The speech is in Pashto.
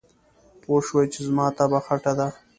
پوی شو چې زما طبعه خټه ده.